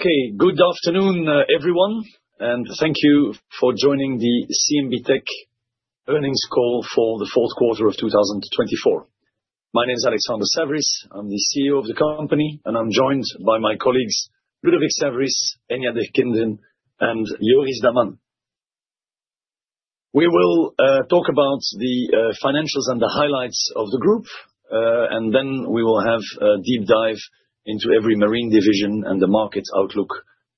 Okay, good afternoon, everyone, and thank you for joining the CMB.TECH earnings call for the fourth quarter of 2024. My name is Alexander Saverys, I'm the CEO of the company, and I'm joined by my colleagues Ludovic Saverys, Enya Derkinderen, and Joris Daman. We will talk about the financials and the highlights of the group, and then we will have a deep dive into every marine division and the market outlook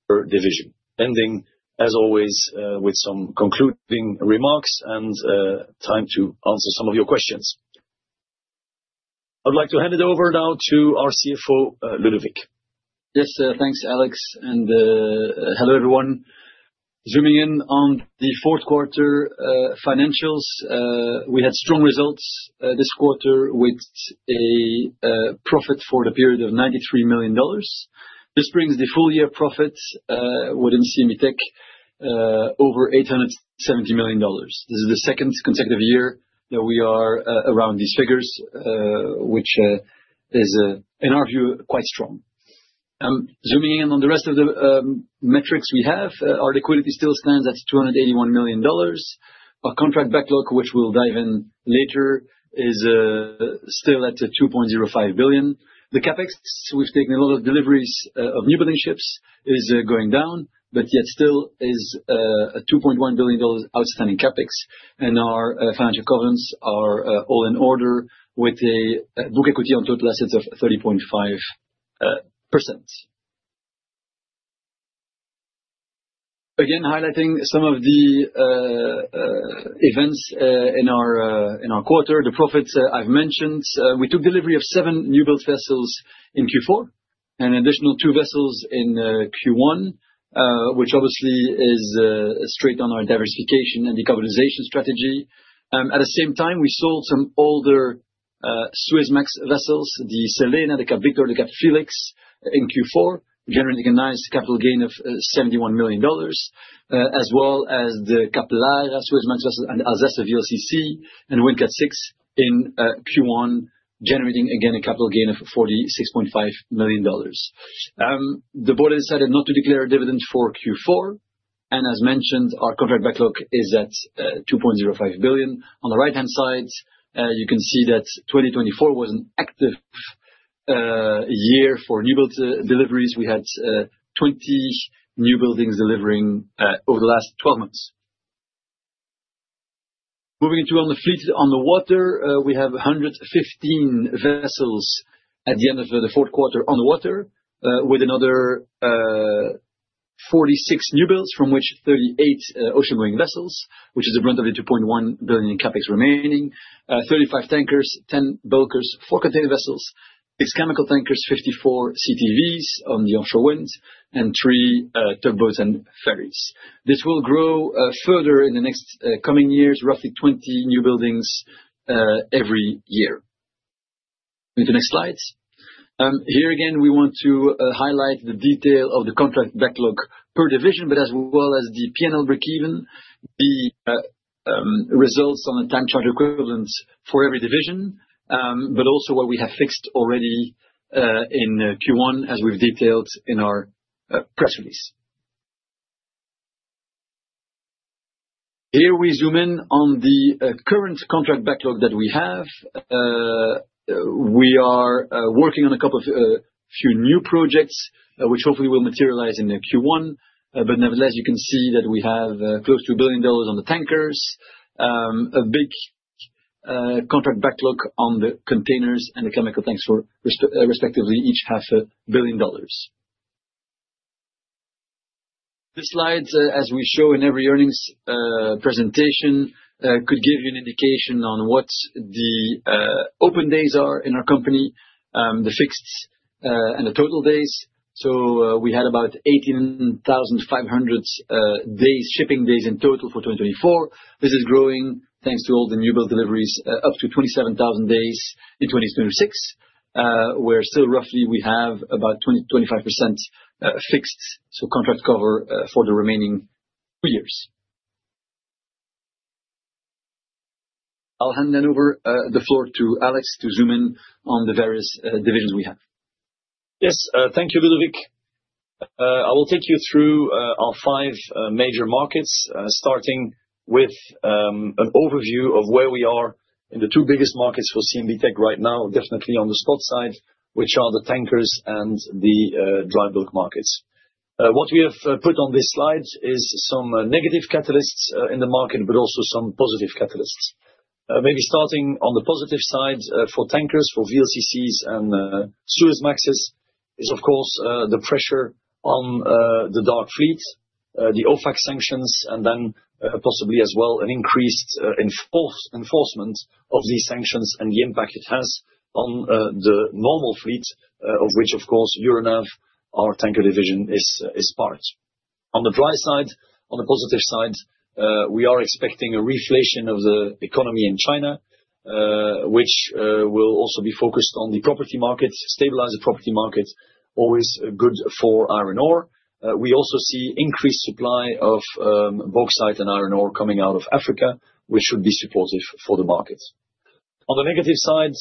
per division, ending, as always, with some concluding remarks and time to answer some of your questions. I'd like to hand it over now to our CFO, Ludovic. Yes, thanks, Alex, and hello everyone. Zooming in on the fourth quarter financials, we had strong results this quarter with a profit for the period of $93 million. This brings the full-year profits within CMB.TECH over $870 million. This is the second consecutive year that we are around these figures, which is, in our view, quite strong. I'm zooming in on the rest of the metrics we have. Our liquidity still stands at $281 million. Our contract backlog, which we'll dive in later, is still at $2.05 billion. The CapEx, which takes a lot of deliveries of newbuilding ships, is going down, but yet still is a $2.1 billion outstanding CapEx, and our financial covenants are all in order with a book equity on total assets of 30.5%. Again, highlighting some of the events in our quarter, the profits I've mentioned, we took delivery of seven newbuild vessels in Q4 and additional two vessels in Q1, which obviously is straight on our diversification and decarbonization strategy. At the same time, we sold some older Suezmax vessels, the Selena, the Cap Victor, the Cap Felix in Q4, generating a nice capital gain of $71 million, as well as the Cap Lara, Suezmax vessel, and Alsace VLCC and Windcat 6 in Q1, generating again a capital gain of $46.5 million. The board decided not to declare a dividend for Q4, and as mentioned, our contract backlog is at $2.05 billion. On the right-hand side, you can see that 2024 was an active year for newbuild deliveries. We had 20 newbuilds delivering over the last 12 months. Moving into on the fleets on the water, we have 115 vessels at the end of the fourth quarter on the water with another 46 new builds, from which 38 ocean-going vessels, which is the brunt of the $2.1 billion CapEx remaining, 35 tankers, 10 bulkers, four container vessels, six chemical tankers, 54 CTVs on the offshore wind, and three tugboats and ferries. This will grow further in the next coming years, roughly 20 new buildings every year. Move to the next slide. Here again, we want to highlight the detail of the contract backlog per division, but as well as the P&L breakeven, the results on a time charter equivalent for every division, but also what we have fixed already in Q1, as we've detailed in our press release. Here we zoom in on the current contract backlog that we have. We are working on a couple of few new projects, which hopefully will materialize in Q1, but nevertheless, you can see that we have close to $1 billion on the tankers, a big contract backlog on the containers and the chemical tanks, respectively, each $500 million. The slides, as we show in every earnings presentation, could give you an indication on what the open days are in our company, the fixed and the total days. So we had about 18,500 shipping days in total for 2024. This is growing thanks to all the new build deliveries, up to 27,000 days in 2026, where still roughly we have about 20%-25% fixed, so contract cover for the remaining two years. I'll hand it over the floor to Alex to zoom in on the various divisions we have. Yes, thank you, Ludovic. I will take you through our five major markets, starting with an overview of where we are in the two biggest markets for CMB.TECH right now, definitely on the spot side, which are the tankers and the dry bulk markets. What we have put on this slide is some negative catalysts in the market, but also some positive catalysts. Maybe starting on the positive side for tankers, for VLCCs and Suezmaxes, is of course the pressure on the dark fleet, the OFAC sanctions, and then possibly as well an increased enforcement of these sanctions and the impact it has on the normal fleet, of which of course Euronav, our tanker division, is part. On the price side, on the positive side, we are expecting a reflation of the economy in China, which will also be focused on the property markets, stabilize the property market, always good for iron ore. We also see increased supply of bauxite and iron ore coming out of Africa, which should be supportive for the markets. On the negative side,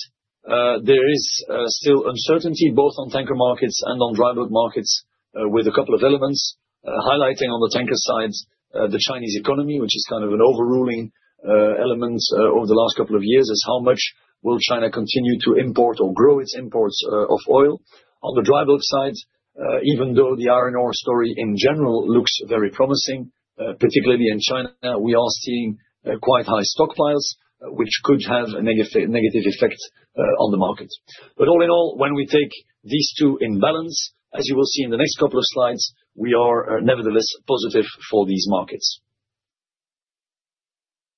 there is still uncertainty both on tanker markets and on dry bulk markets with a couple of elements, highlighting on the tanker side, the Chinese economy, which is kind of an overruling element over the last couple of years, is how much will China continue to import or grow its imports of oil. On the dry bulk side, even though the iron ore story in general looks very promising, particularly in China, we are seeing quite high stockpiles, which could have a negative effect on the markets. But all in all, when we take these two in balance, as you will see in the next couple of slides, we are nevertheless positive for these markets.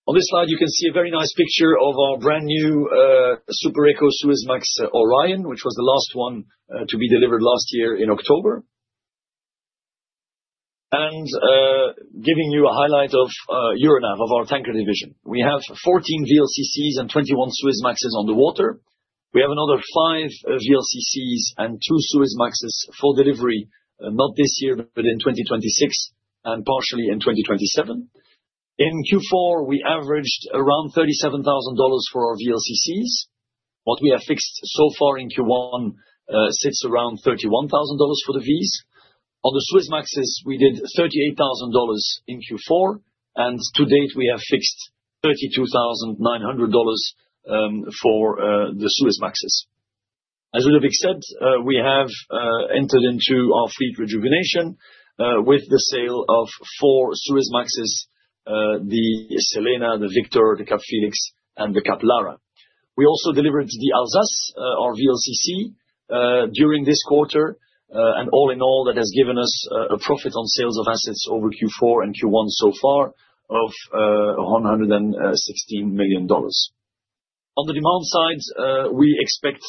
On this slide, you can see a very nice picture of our brand new Super Eco Suezmax Orion, which was the last one to be delivered last year in October, and giving you a highlight of Euronav, of our tanker division. We have 14 VLCCs and 21 Suezmaxes on the water. We have another five VLCCs and two Suezmaxes for delivery, not this year, but in 2026 and partially in 2027. In Q4, we averaged around $37,000 for our VLCCs. What we have fixed so far in Q1 sits around $31,000 for the Vs. On the Suezmaxes, we did $38,000 in Q4, and to date, we have fixed $32,900 for the Suezmaxes. As Ludovic said, we have entered into our fleet rejuvenation with the sale of four Suezmaxes, the Selena, the Cap Victor, the Cap Felix, and the Cap Lara. We also delivered the Alsace, our VLCC, during this quarter, and all in all, that has given us a profit on sales of assets over Q4 and Q1 so far of $116 million. On the demand side, we expect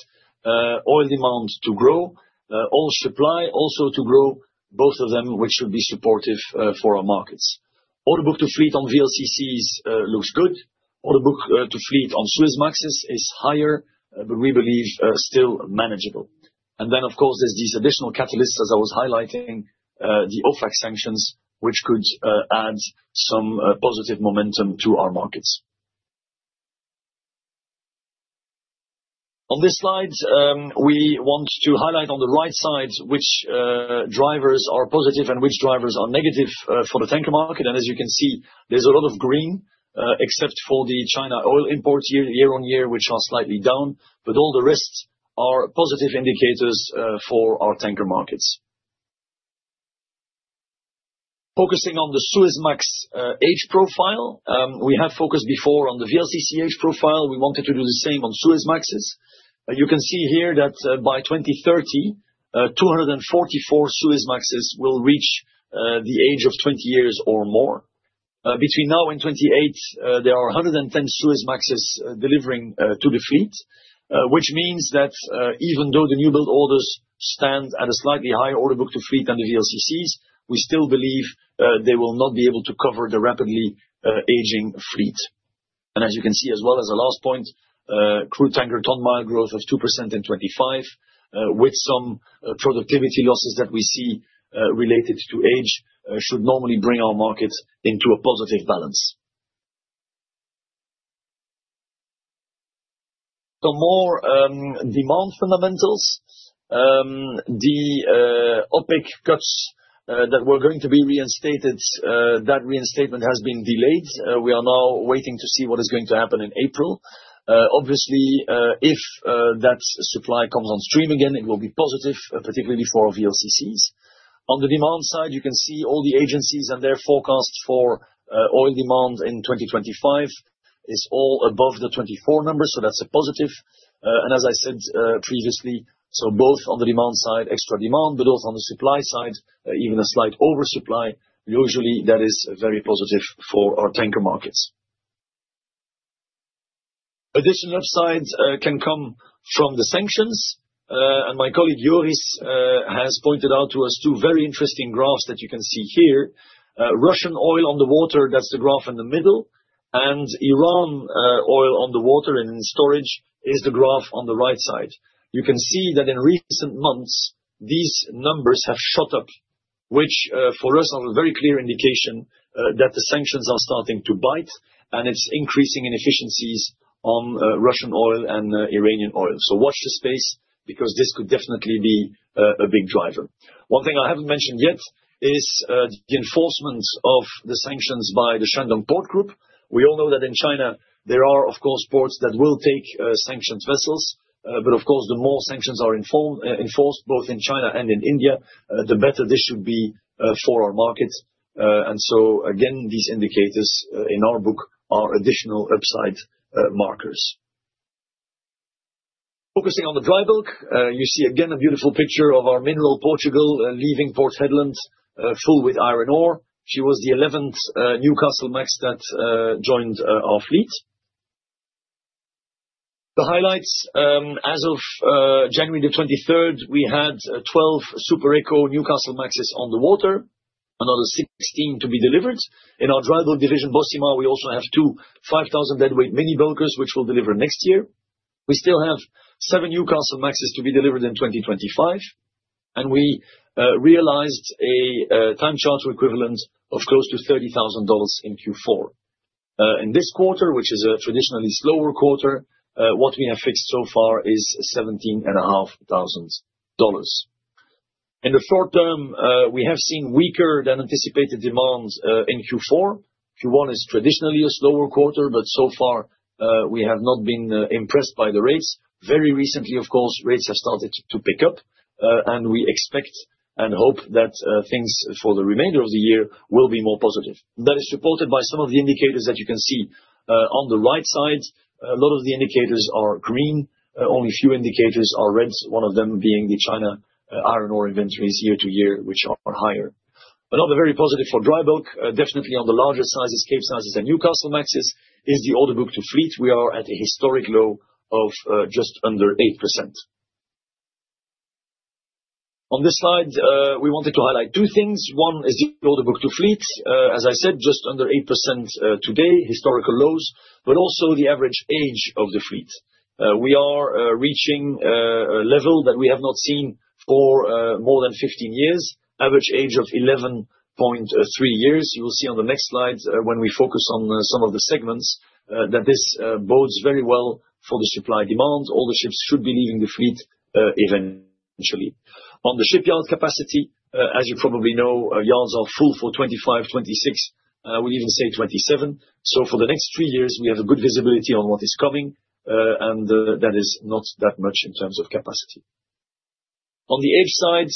oil demand to grow, oil supply also to grow, both of them, which should be supportive for our markets. Order book to fleet on VLCCs looks good. Order book to fleet on Suezmaxes is higher, but we believe still manageable. And then, of course, there's these additional catalysts, as I was highlighting, the OFAC sanctions, which could add some positive momentum to our markets. On this slide, we want to highlight on the right side which drivers are positive and which drivers are negative for the tanker market. As you can see, there's a lot of green, except for the China oil imports year on year, which are slightly down, but all the rest are positive indicators for our tanker markets. Focusing on the Suezmax age profile, we have focused before on the VLCC age profile. We wanted to do the same on Suezmaxes. You can see here that by 2030, 244 Suezmaxes will reach the age of 20 years or more. Between now and 2028, there are 110 Suezmaxes delivering to the fleet, which means that even though the new build orders stand at a slightly higher order book to fleet than the VLCCs, we still believe they will not be able to cover the rapidly aging fleet. And as you can see as well, as a last point, crude tanker ton mile growth of 2% in 2025, with some productivity losses that we see related to age, should normally bring our markets into a positive balance. Some more demand fundamentals. The OPEC cuts that were going to be reinstated, that reinstatement has been delayed. We are now waiting to see what is going to happen in April. Obviously, if that supply comes on stream again, it will be positive, particularly for our VLCCs. On the demand side, you can see all the agencies and their forecasts for oil demand in 2025 is all above the 24 number, so that's a positive. And as I said previously, so both on the demand side, extra demand, but also on the supply side, even a slight oversupply, usually that is very positive for our tanker markets. Additional upside can come from the sanctions, and my colleague Joris has pointed out to us two very interesting graphs that you can see here. Russian oil on the water, that's the graph in the middle, and Iran oil on the water and in storage is the graph on the right side. You can see that in recent months, these numbers have shot up, which for us are a very clear indication that the sanctions are starting to bite and it's increasing inefficiencies on Russian oil and Iranian oil. So watch the space because this could definitely be a big driver. One thing I haven't mentioned yet is the enforcement of the sanctions by the Shandong Port Group. We all know that in China, there are of course ports that will take sanctioned vessels, but of course the more sanctions are enforced, both in China and in India, the better this should be for our markets. And so again, these indicators in our book are additional upside markers. Focusing on the dry bulk, you see again a beautiful picture of our Mineral Portugal leaving Port Hedland full with iron ore. She was the 11th Newcastlemax that joined our fleet. The highlights, as of January the 23rd, we had 12 Super Eco Newcastlemaxes on the water, another 16 to be delivered. In our dry bulk division, Bocimar, we also have two 5,000 deadweight mini bulkers, which we'll deliver next year. We still have seven Newcastlemaxes to be delivered in 2025, and we realized a Time Charter Equivalent of close to $30,000 in Q4. In this quarter, which is a traditionally slower quarter, what we have fixed so far is $17,500. In the short term, we have seen weaker than anticipated demand in Q4. Q1 is traditionally a slower quarter, but so far we have not been impressed by the rates. Very recently, of course, rates have started to pick up, and we expect and hope that things for the remainder of the year will be more positive. That is supported by some of the indicators that you can see on the right side. A lot of the indicators are green. Only few indicators are red, one of them being the China iron ore inventories year to year, which are higher. Another very positive for dry bulk, definitely on the largest sizes, Capesize and Newcastlemaxes, is the order book to fleet. We are at a historic low of just under 8%. On this slide, we wanted to highlight two things. One is the order book to fleet, as I said, just under 8% today, historical lows, but also the average age of the fleet. We are reaching a level that we have not seen for more than 15 years, average age of 11.3 years. You will see on the next slides when we focus on some of the segments that this bodes very well for the supply demand. All the ships should be leaving the fleet eventually. On the shipyard capacity, as you probably know, yards are full for 25, 26, we'll even say 27. So for the next three years, we have a good visibility on what is coming, and that is not that much in terms of capacity. On the age side,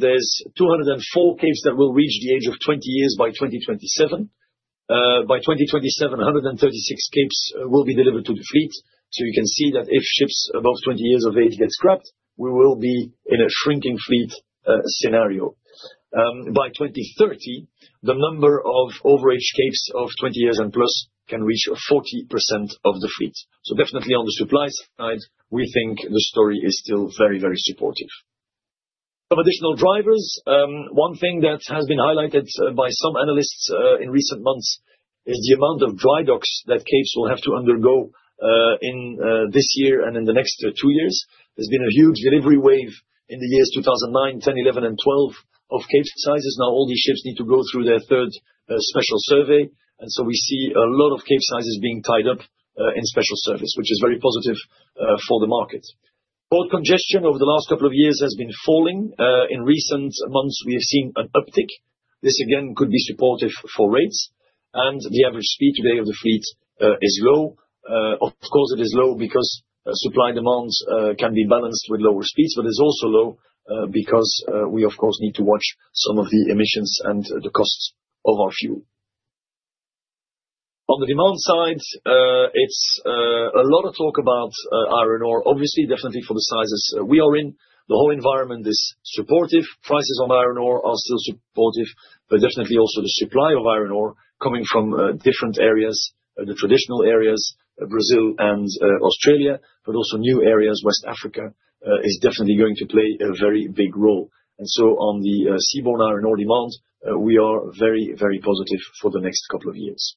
there's 204 Capesize that will reach the age of 20 years by 2027. By 2027, 136 Capesize will be delivered to the fleet. So you can see that if ships above 20 years of age get scrapped, we will be in a shrinking fleet scenario. By 2030, the number of overage Capesize of 20 years and plus can reach 40% of the fleet. So definitely on the supply side, we think the story is still very, very supportive. Some additional drivers, one thing that has been highlighted by some analysts in recent months is the amount of dry docks that Capesize will have to undergo in this year and in the next two years. There's been a huge delivery wave in the years 2009, 2011, and 2012 of Capesize. Now all these ships need to go through their third special survey. And so we see a lot of Capesize being tied up in special survey, which is very positive for the market. Port congestion over the last couple of years has been falling. In recent months, we have seen an uptick. This again could be supportive for rates. And the average speed today of the fleet is low. Of course, it is low because supply and demand can be balanced with lower speeds, but it's also low because we, of course, need to watch some of the emissions and the costs of our fuel. On the demand side, it's a lot of talk about iron ore, obviously, definitely for the sizes we are in. The whole environment is supportive. Prices of iron ore are still supportive, but definitely also the supply of iron ore coming from different areas, the traditional areas, Brazil and Australia, but also new areas. West Africa is definitely going to play a very big role, and so on the seaborne iron ore demand, we are very, very positive for the next couple of years.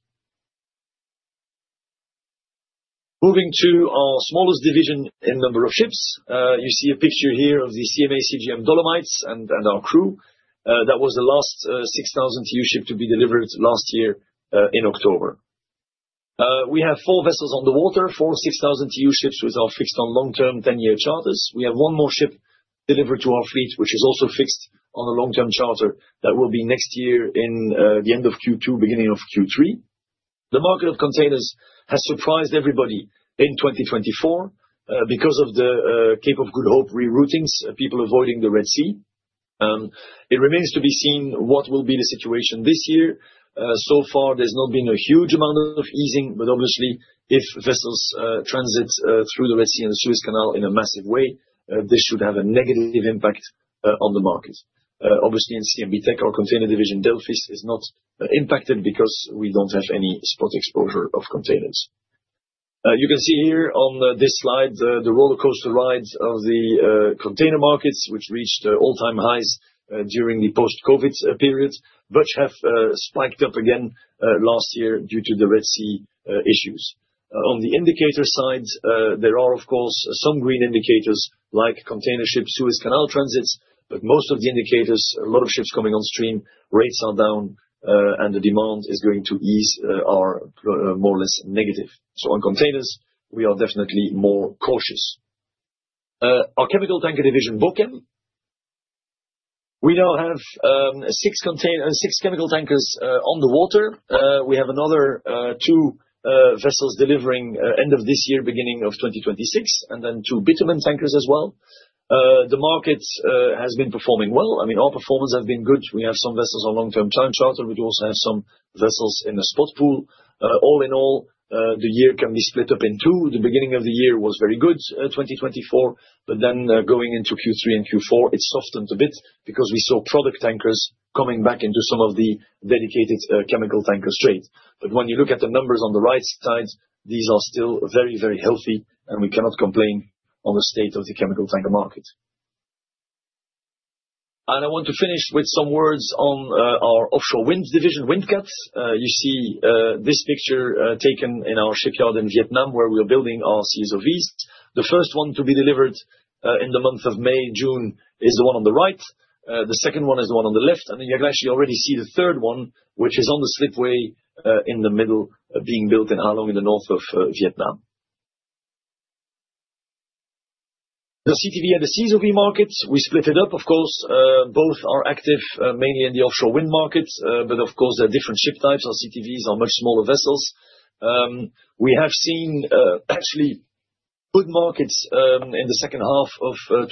Moving to our smallest division in number of ships, you see a picture here of the CMA CGM Dolomites and our crew. That was the last 6,000 TEU ship to be delivered last year in October. We have four vessels on the water, four 6,000 TEU ships which are fixed on long-term 10-year charters. We have one more ship delivered to our fleet, which is also fixed on a long-term charter that will be next year in the end of Q2, beginning of Q3. The market of containers has surprised everybody in 2024 because of the Cape of Good Hope re-routings, people avoiding the Red Sea. It remains to be seen what will be the situation this year. So far, there's not been a huge amount of easing, but obviously, if vessels transit through the Red Sea and the Suez Canal in a massive way, this should have a negative impact on the market. Obviously, in CMB.TECH, our container division, Delphis, is not impacted because we don't have any spot exposure of containers. You can see here on this slide the roller coaster rides of the container markets, which reached all-time highs during the post-COVID period, but have spiked up again last year due to the Red Sea issues. On the indicator side, there are, of course, some green indicators like container ships, Suez Canal transits, but most of the indicators, a lot of ships coming on stream, rates are down, and the demand is going to ease, are more or less negative. So on containers, we are definitely more cautious. Our chemical tanker division, Bochem. We now have six chemical tankers on the water. We have another two vessels delivering end of this year, beginning of 2026, and then two bitumen tankers as well. The market has been performing well. I mean, our performance has been good. We have some vessels on long-term time charter. We also have some vessels in the spot pool. All in all, the year can be split up in two. The beginning of the year was very good, 2024, but then going into Q3 and Q4, it softened a bit because we saw product tankers coming back into some of the dedicated chemical tanker trade. But when you look at the numbers on the right side, these are still very, very healthy, and we cannot complain on the state of the chemical tanker market. And I want to finish with some words on our offshore wind division, Windcat. You see this picture taken in our shipyard in Vietnam, where we are building our CSOVs. The first one to be delivered in the month of May, June is the one on the right. The second one is the one on the left. And then you actually already see the third one, which is on the slipway in the middle being built in Ha Long in the north of Vietnam. The CTV and the CSOV markets, we split it up, of course. Both are active mainly in the offshore wind markets, but of course, there are different ship types. Our CTVs are much smaller vessels. We have seen actually good markets in the second half of 2024.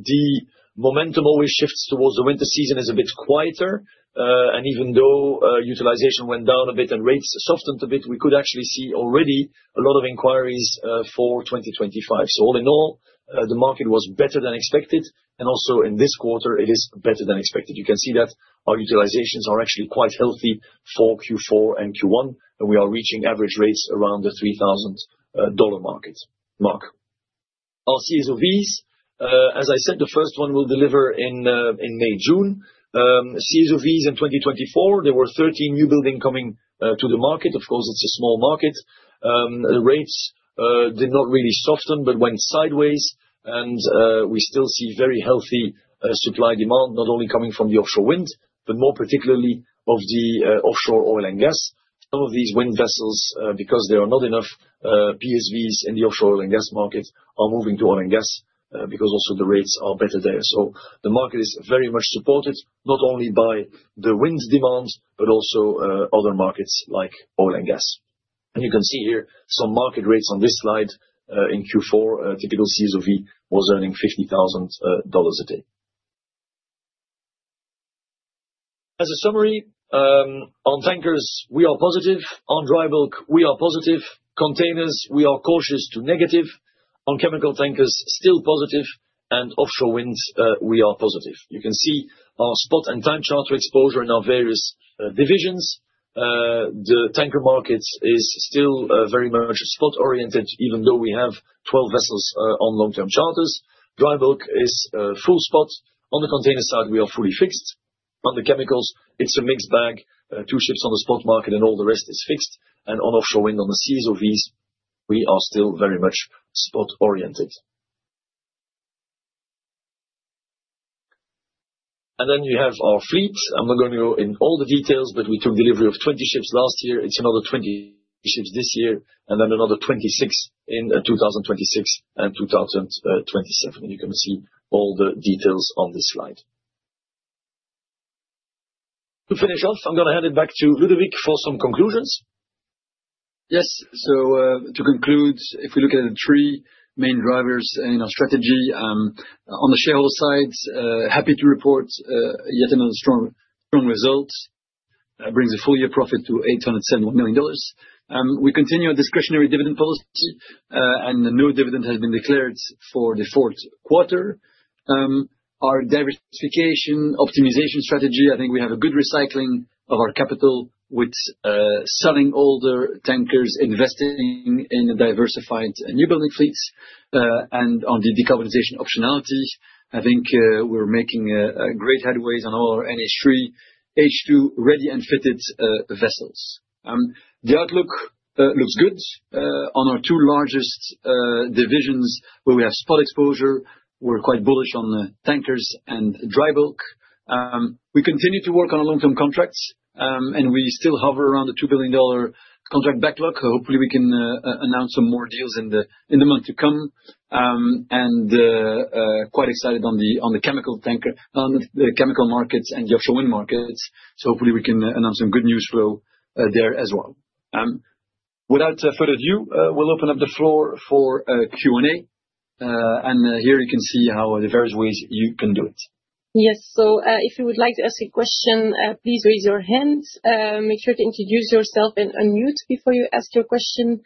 The momentum always shifts towards the winter season, is a bit quieter, and even though utilization went down a bit and rates softened a bit, we could actually see already a lot of inquiries for 2025, so all in all, the market was better than expected, and also in this quarter, it is better than expected. You can see that our utilizations are actually quite healthy for Q4 and Q1, and we are reaching average rates around the $3,000 market mark. Our CSOVs, as I said, the first one will deliver in May, June. CSOVs in 2024, there were 13 new buildings coming to the market. Of course, it's a small market. The rates did not really soften, but went sideways, and we still see very healthy supply demand, not only coming from the offshore winds, but more particularly of the offshore oil and gas. Some of these wind vessels, because there are not enough PSVs in the offshore oil and gas market, are moving to oil and gas because also the rates are better there, so the market is very much supported, not only by the winds demand, but also other markets like oil and gas, and you can see here some market rates on this slide in Q4. Typical CSOV was earning $50,000 a day. As a summary, on tankers, we are positive. On dry bulk, we are positive. Containers, we are cautious to negative. On chemical tankers, still positive. Offshore wind, we are positive. You can see our spot and time charter exposure in our various divisions. The tanker market is still very much spot-oriented, even though we have 12 vessels on long-term charters. Dry bulk is full spot. On the container side, we are fully fixed. On the chemicals, it's a mixed bag. Two ships on the spot market and all the rest is fixed. On offshore wind, on the CSOVs, we are still very much spot-oriented. Then you have our fleet. I'm not going to go in all the details, but we took delivery of 20 ships last year. It's another 20 ships this year, and then another 26 in 2026 and 2027. You can see all the details on this slide. To finish off, I'm going to hand it back to Ludovic for some conclusions. Yes, so to conclude, if we look at the three main drivers in our strategy, on the shareholder side, happy to report yet another strong result. It brings a full year profit to $871 million. We continue our discretionary dividend policy, and no dividend has been declared for the fourth quarter. Our diversification optimization strategy, I think we have a good recycling of our capital with selling older tankers, investing in diversified new building fleets. And on the decarbonization optionality, I think we're making great headways on all our NH3, H2 ready and fitted vessels. The outlook looks good on our two largest divisions where we have spot exposure. We're quite bullish on tankers and dry bulk. We continue to work on long-term contracts, and we still hover around the $2 billion contract backlog. Hopefully, we can announce some more deals in the month to come. And quite excited on the chemical markets and the offshore wind markets. So hopefully, we can announce some good news flow there as well. Without further ado, we'll open up the floor for Q&A. And here you can see how the various ways you can do it. Yes, so if you would like to ask a question, please raise your hand. Make sure to introduce yourself and unmute before you ask your question.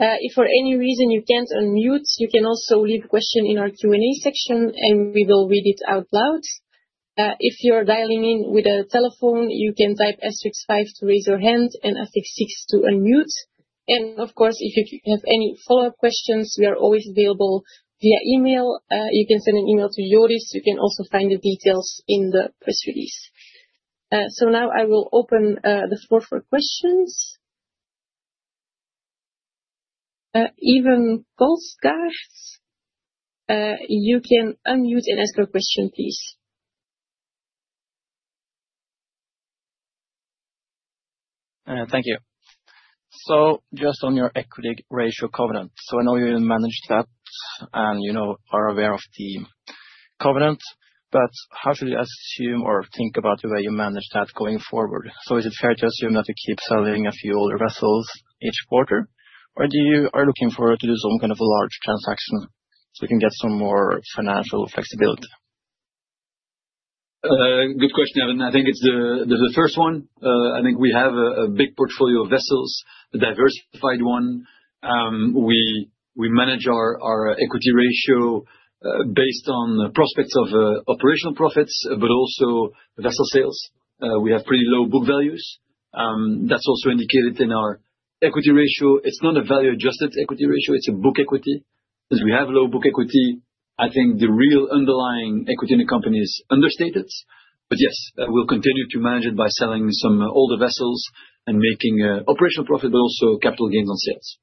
If for any reason you can't unmute, you can also leave a question in our Q&A section, and we will read it out loud. If you are dialing in with a telephone, you can type ASTERISK to raise your ASTERISK SIX if you wish to unmute. And of course, if you have any follow-up questions, we are always available via email. You can send an email to Joris. You can also find the details in the press release. So now I will open the floor for questions. Evan Coscard, you can unmute and ask your question, please. Thank you. So just on your equity ratio covenant, so I know you managed that and you are aware of the covenant, but how should you assume or think about the way you manage that going forward? So is it fair to assume that you keep selling a few older vessels each quarter, or do you are looking forward to do some kind of a large transaction so you can get some more financial flexibility? Good question, Evan. I think it's the first one. I think we have a big portfolio of vessels, a diversified one. We manage our equity ratio based on prospects of operational profits, but also vessel sales. We have pretty low book values. That's also indicated in our equity ratio. It's not a value-adjusted equity ratio. It's a book equity. Since we have low book equity, I think the real underlying equity in the company is understated. But yes, we'll continue to manage it by selling some older vessels and making operational profit, but also capital gains on sales.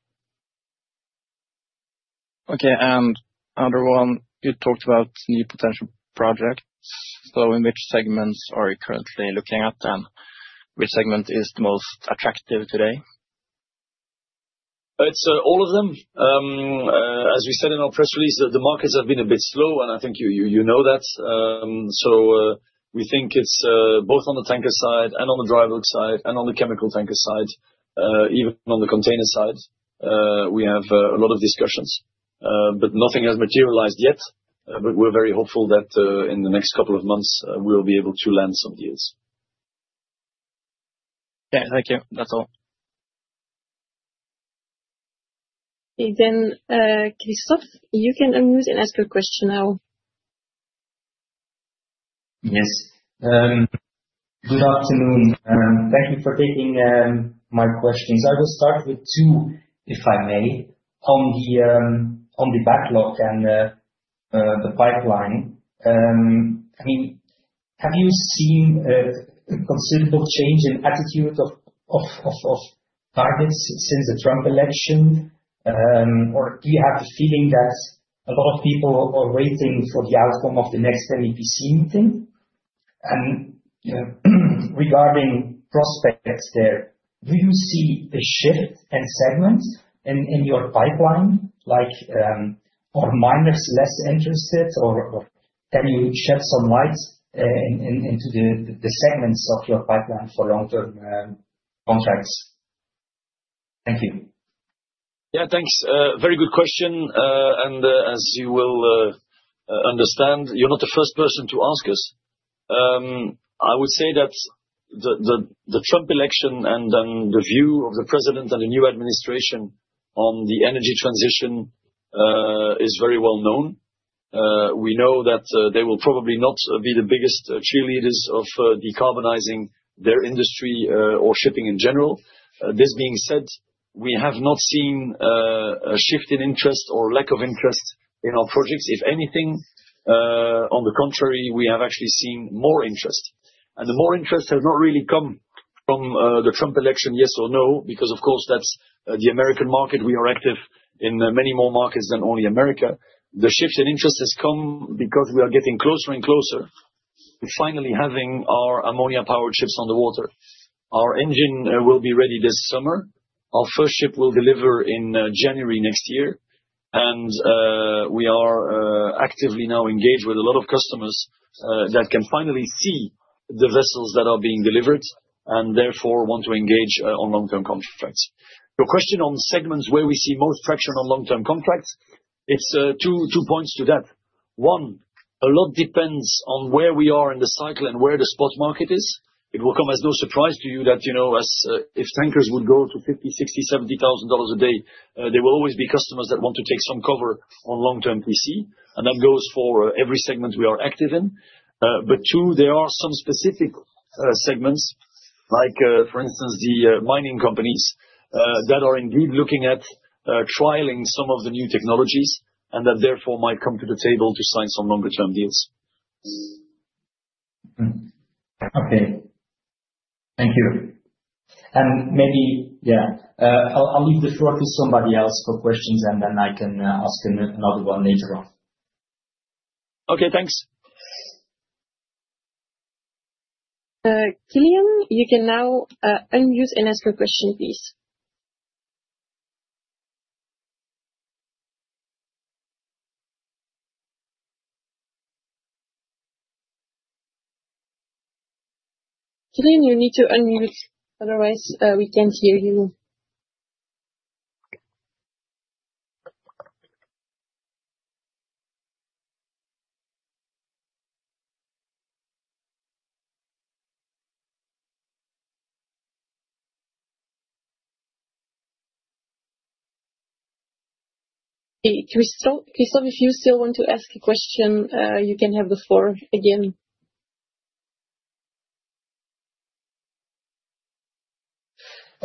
Okay, and another one, you talked about new potential projects. So in which segments are you currently looking at, and which segment is the most attractive today? It's all of them. As we said in our press release, the markets have been a bit slow, and I think you know that. So we think it's both on the tanker side and on the dry bulk side and on the chemical tanker side, even on the container side. We have a lot of discussions, but nothing has materialized yet. But we're very hopeful that in the next couple of months, we'll be able to land some deals. Okay, thank you. That's all. Then, Kristof, you can unmute and ask your question now. Yes. Good afternoon. Thank you for taking my questions. I will start with two, if I may, on the backlog and the pipeline. I mean, have you seen a considerable change in attitude of targets since the Trump election, or do you have a feeling that a lot of people are waiting for the outcome of the next MEPC meeting? And regarding prospects there, do you see a shift in segments in your pipeline, like miners less interested, or any shifts on lines into the segments of your pipeline for long-term contracts? Thank you. Yeah, thanks. Very good question. And as you will understand, you're not the first person to ask us. I would say that the Trump election and then the view of the president and the new administration on the energy transition is very well known. We know that they will probably not be the biggest cheerleaders of decarbonizing their industry or shipping in general. This being said, we have not seen a shift in interest or lack of interest in our projects. If anything, on the contrary, we have actually seen more interest. And the more interest has not really come from the Trump election, yes or no, because, of course, that's the American market. We are active in many more markets than only America. The shift in interest has come because we are getting closer and closer to finally having our ammonia-powered ships on the water. Our engine will be ready this summer. Our first ship will deliver in January next year. We are actively now engaged with a lot of customers that can finally see the vessels that are being delivered and therefore want to engage on long-term contracts. The question on segments where we see most traction on long-term contracts, it's two points to that. One, a lot depends on where we are in the cycle and where the spot market is. It will come as no surprise to you that if tankers would go to $50,000, $60,000, $70,000 a day, there will always be customers that want to take some cover on long-term PC. And that goes for every segment we are active in. But two, there are some specific segments, like for instance, the mining companies that are indeed looking at trialing some of the new technologies and that therefore might come to the table to sign some longer-term deals. Okay. Thank you. And maybe, yeah, I'll leave this work to somebody else for questions, and then I can ask another one later on. Okay, thanks. Killian, you can now unmute and ask your question, please. Killian, you need to unmute, otherwise we can't hear you. Christophe, if you still want to ask the question, you can have the floor again.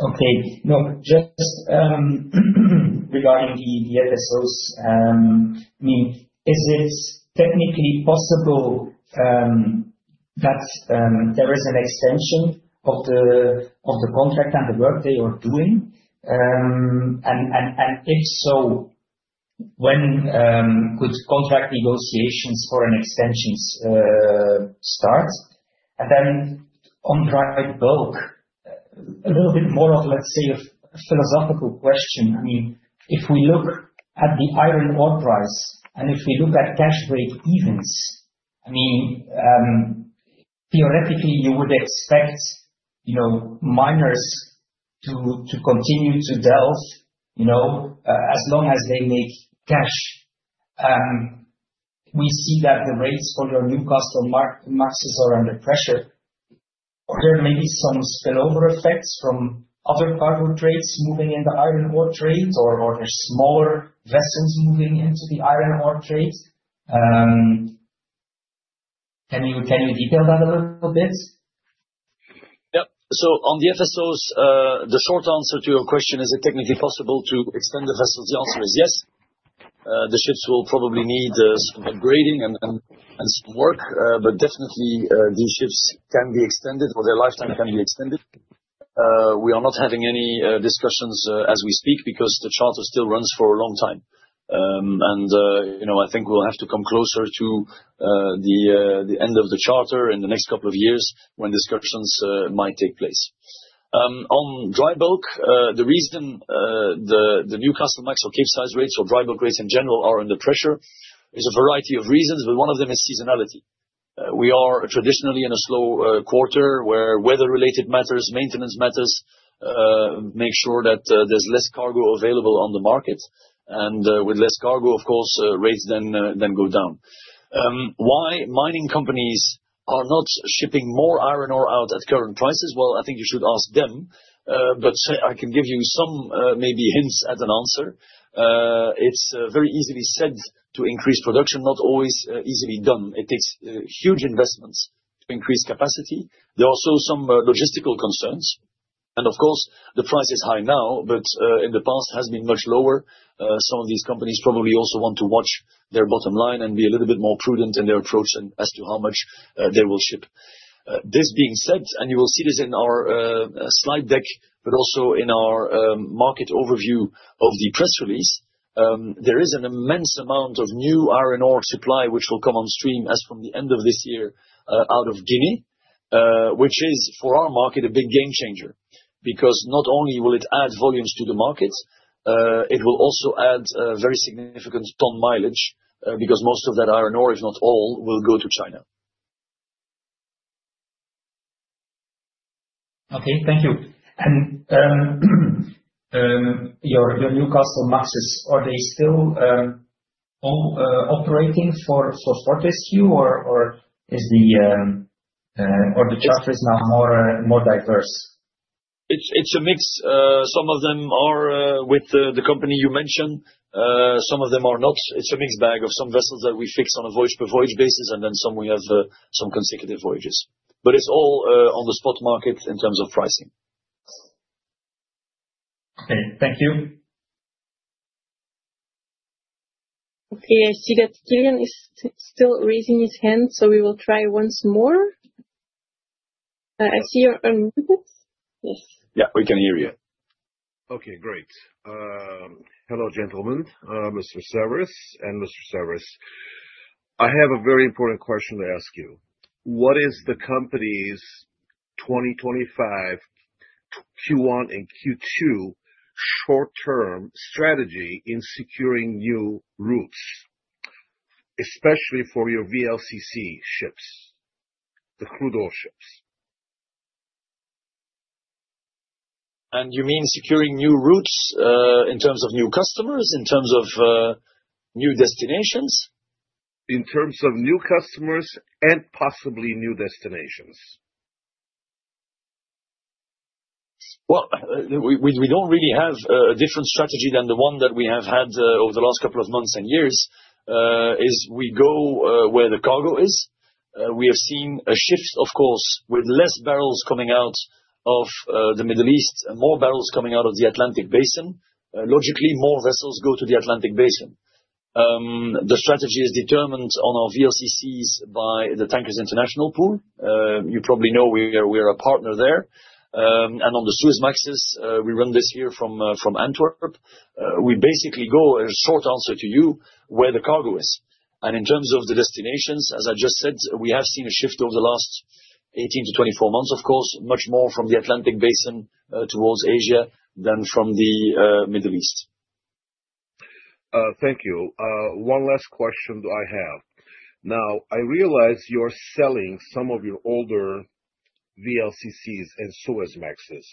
Okay. No, just regarding the vessels, I mean, is it technically possible that there is an extension of the contract and the work they are doing? And if so, when could contract negotiations for an extension start? And then on dry bulk, a little bit more of, let's say, a philosophical question. I mean, if we look at the iron ore price and if we look at cash rate events, I mean, theoretically, you would expect miners to continue to delve as long as they make cash. We see that the rates for your Newcastlemax are under pressure. Are there maybe some spillover effects from other cargo trades moving in the iron ore trades or smaller vessels moving into the iron ore trades? Can you detail that a little bit? Yeah, so on the FSOs, the short answer to your question is it technically possible to extend the vessels? The answer is yes. The ships will probably need some upgrading and some work, but definitely these ships can be extended or their lifespan can be extended. We are not having any discussions as we speak because the charter still runs for a long time, and I think we'll have to come closer to the end of the charter in the next couple of years when discussions might take place. On dry bulk, the reason the Newcastlemax or Capesize rates or dry bulk rates in general are under pressure is a variety of reasons, but one of them is seasonality. We are traditionally in a slow quarter where weather-related matters, maintenance matters, make sure that there's less cargo available on the market. And with less cargo, of course, rates then go down. Why mining companies are not shipping more iron ore out at current prices? Well, I think you should ask them, but I can give you some maybe hints as an answer. It's very easily said to increase production, not always easily done. It takes huge investments to increase capacity. There are also some logistical concerns. And of course, the price is high now, but in the past, it has been much lower. Some of these companies probably also want to watch their bottom line and be a little bit more prudent in their approach as to how much they will ship. This being said, and you will see this in our slide deck, but also in our market overview of the press release, there is an immense amount of new iron ore supply which will come on stream as from the end of this year out of Guinea, which is for our market a big game changer. Because not only will it add volumes to the market, it will also add very significant ton mileage because most of that iron ore, if not all, will go to China. Okay, thank you. And your Newcastlemax, are they still operating for, or is the charter now more diverse? It's a mix. Some of them are with the company you mentioned. Some of them are not. It's a mixed bag of some vessels that we fix on a voyage-per-voyage basis, and then some we have some consecutive voyages. But it's all on the spot market in terms of pricing. Okay, thank you. Okay, I see that Killian is still raising his hand, so we will try once more. I see you're there. Yes. Yeah, we can hear you. Okay, great. Hello gentlemen, Mr. Saverys and Mr. Saverys. I have a very important question to ask you. What is the company's 2025 Q1 and Q2 short-term strategy in securing new routes, especially for your VLCC ships, the crude oil ships? And you mean securing new routes in terms of new customers, in terms of new destinations? In terms of new customers and possibly new destinations. We don't really have a different strategy than the one that we have had over the last couple of months and years, is we go where the cargo is. We have seen a shift, of course, with less barrels coming out of the Middle East and more barrels coming out of the Atlantic Basin. Logically, more vessels go to the Atlantic Basin. The strategy is determined on our VLCCs by the Tankers International Pool. You probably know we are a partner there. On the Suezmaxes, we run this year from Antwerp. We basically go, and short answer to you, where the cargo is. In terms of the destinations, as I just said, we have seen a shift over the last 18-24 months, of course, much more from the Atlantic Basin towards Asia than from the Middle East. Thank you. One last question I have. Now, I realize you're selling some of your older VLCCs and Suezmaxes.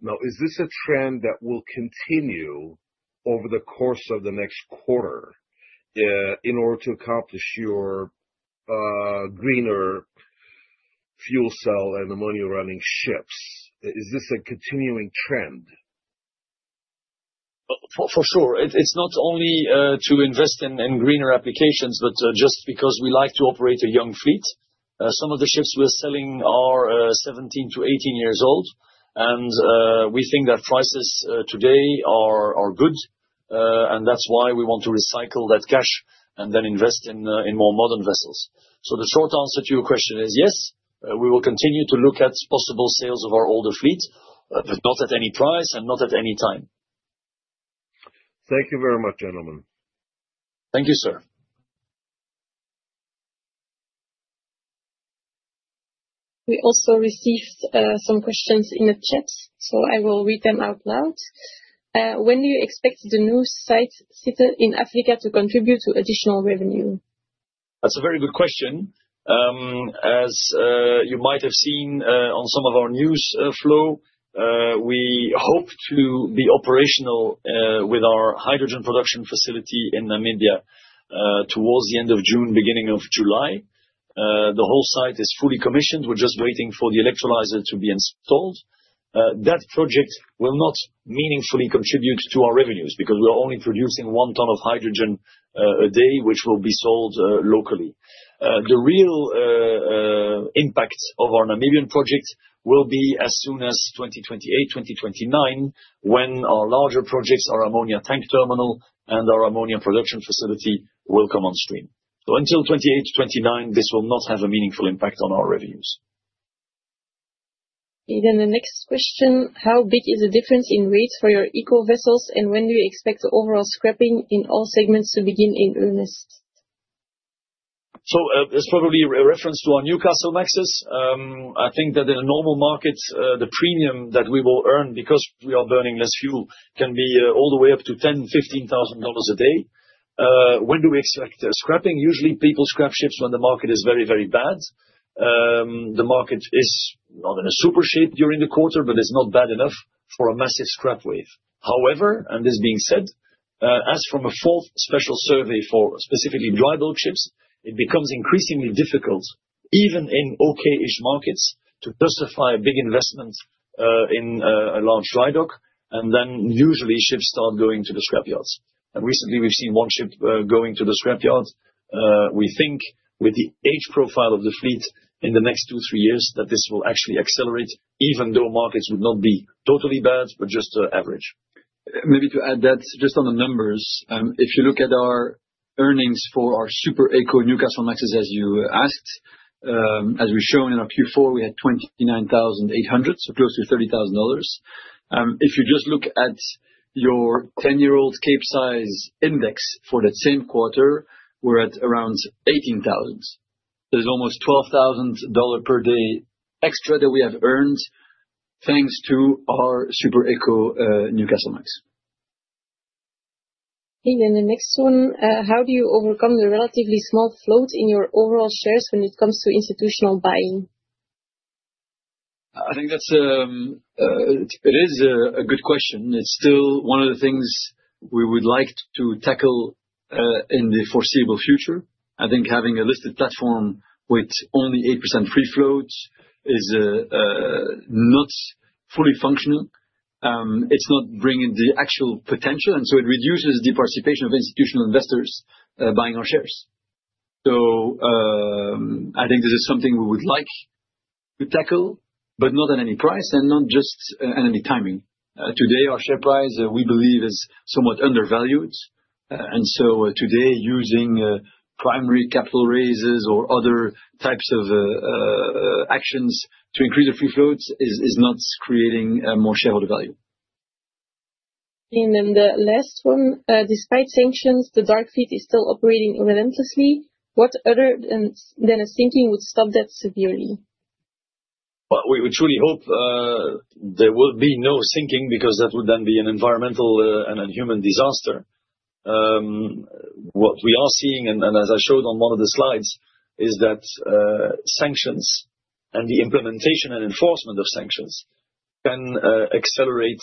Now, is this a trend that will continue over the course of the next quarter in order to accomplish your greener fuel cell and ammonia-running ships? Is this a continuing trend? For sure. It's not only to invest in greener applications, but just because we like to operate a young fleet. Some of the ships we're selling are 17-18 years old, and we think that prices today are good, and that's why we want to recycle that cash and then invest in more modern vessels. So the short answer to your question is yes. We will continue to look at possible sales of our older fleet, but not at any price and not at any time. Thank you very much, gentlemen. Thank you, sir. We also received some questions in the chat, so I will read them out loud. When do you expect the new site sited in Africa to contribute to additional revenue? That's a very good question. As you might have seen on some of our news flow, we hope to be operational with our hydrogen production facility in Namibia towards the end of June, beginning of July. The whole site is fully commissioned. We're just waiting for the electrolyzer to be installed. That project will not meaningfully contribute to our revenues because we're only producing one ton of hydrogen a day, which will be sold locally. The real impact of our Namibian project will be as soon as 2028, 2029, when our larger projects, our ammonia tank terminal and our ammonia production facility will come on stream. So until 2028, 2029, this will not have a meaningful impact on our revenues. And then the next question, how big is the difference in rates for your eco vessels, and when do you expect the overall scrapping in all segments to begin in earnest? So it's probably a reference to our Newcastlemaxes. I think that in a normal market, the premium that we will earn because we are burning less fuel can be all the way up to $10,000-$15,000 a day. When do we expect scrapping? Usually, people scrap ships when the market is very, very bad. The market is not in a super shape during the quarter, but it's not bad enough for a massive scrap wave. However, and this being said, as from a full special survey for specifically dry bulk ships, it becomes increasingly difficult, even in okay-ish markets, to justify a big investment in a large dry dock, and then usually ships start going to the scrap yards. And recently, we've seen one ship going to the scrap yards. We think with the age profile of the fleet in the next two, three years, that this will actually accelerate, even though markets would not be totally bad, but just average. Maybe to add that just on the numbers, if you look at our earnings for our super eco Newcastlemaxes, as you asked, as we've shown in our Q4, we had $29,800, so close to $30,000. If you just look at your 10-year-old Capesize index for that same quarter, we're at around $18,000. There's almost $12,000 per day extra that we have earned thanks to our Super Eco Newcastlemax. And then the next one, how do you overcome the relatively small float in your overall shares when it comes to institutional buying? I think that it is a good question. It's still one of the things we would like to tackle in the foreseeable future. I think having a listed platform with only 8% free float is not fully functional. It's not bringing the actual potential, and so it reduces the participation of institutional investors buying our shares. So I think this is something we would like to tackle, but not at any price and not just at any timing. Today, our share price, we believe, is somewhat undervalued. And so today, using primary capital raises or other types of actions to increase the free float is not creating more shareholder value. And then the last one, despite sanctions, the dark fleet is still operating relentlessly. What other than a sinking would stop that severely? We truly hope there will be no sinking because that would then be an environmental and human disaster. What we are seeing, and as I showed on one of the slides, is that sanctions and the implementation and enforcement of sanctions can accelerate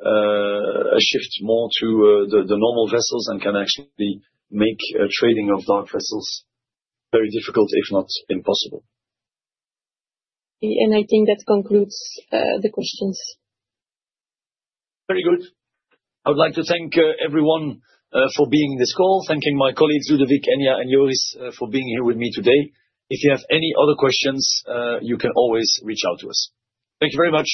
a shift more to the normal vessels and can actually make trading of dark vessels very difficult, if not impossible. And I think that concludes the questions. Very good. I would like to thank everyone for being on this call, thanking my colleagues Ludovic, Enya, and Joris for being here with me today. If you have any other questions, you can always reach out to us. Thank you very much.